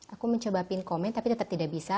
aku mencobapin komen tapi tetap tidak bisa